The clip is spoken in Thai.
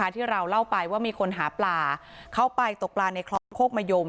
ที่เราเล่าไปว่ามีคนหาปลาเข้าไปตกปลาในคลองโคกมะยม